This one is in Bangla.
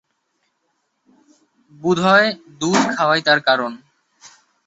বোধ হয় দুধ খাওয়াই তার কারণ।